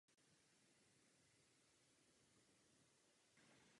Soutěží čtyřher se účastní šestnáct párů.